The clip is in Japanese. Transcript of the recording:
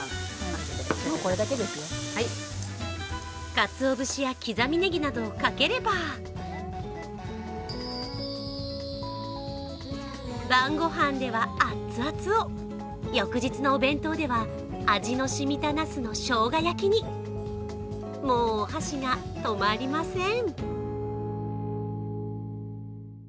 かつお節や刻みねぎなどをかければ、晩御飯ではあっつあつを、翌日のお弁当では味の染みたなすのしょうが焼きにもうお箸が止まりません。